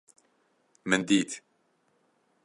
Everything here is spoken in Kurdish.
Min dît!